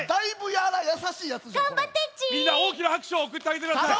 みんなおおきなはくしゅをおくってあげてください。